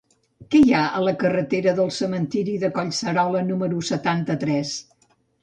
Què hi ha a la carretera del Cementiri de Collserola número setanta-tres?